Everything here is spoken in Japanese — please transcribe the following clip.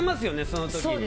その時に。